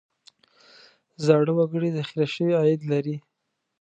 زاړه وګړي ذخیره شوی عاید لري.